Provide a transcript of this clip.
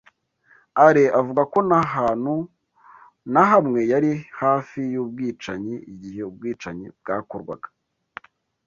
Alain avuga ko nta hantu na hamwe yari hafi y’ubwicanyi igihe ubwicanyi bwakorwaga.